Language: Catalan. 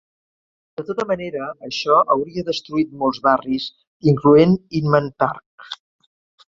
De tota manera, això hauria destruït molts barris incloent Inman Park.